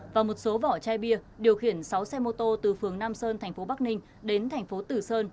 và một số vỏ chai bia điều khiển sáu xe mô tô từ phường nam sơn thành phố bắc ninh đến thành phố tử sơn